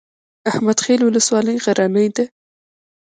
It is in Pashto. احمد خیل ولسوالۍ غرنۍ ده؟